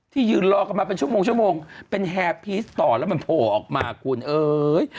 ที่ยืนรอกันมาเป็นชั่วโมงเป็นแฮร์พีสต่อแล้วมันโผล่อออกมาคุณเอ๋ย